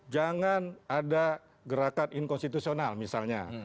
jangan ada gerakan inkonstitusional misalnya